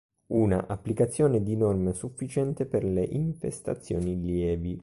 Una applicazione è di norma sufficiente per le infestazioni lievi.